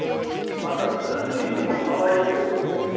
またずっといつも可愛いという。